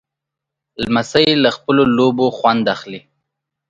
لمسی له خپلو لوبو خوند اخلي.